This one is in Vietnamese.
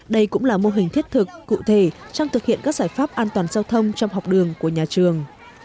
đây cũng là mô hình thiết thực cụ thể trong thực hiện các giải pháp an toàn giao thông trong học đường của nhà trường